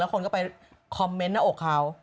คนก็ไปคอมเมนต์หน้าอกเขา